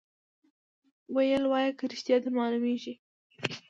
ویل وایه که ریشتیا در معلومیږي